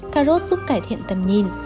cà rốt giúp cải thiện tầm nhìn